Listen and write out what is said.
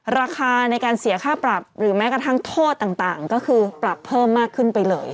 ราคาในการเสียค่าปรับหรือแม้กระทั่งโทษต่างก็คือปรับเพิ่มมากขึ้นไปเลย